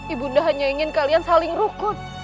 ibunda hanya ingin kalian saling rukut